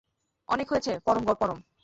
অনেক হয়েছে পরম পরম!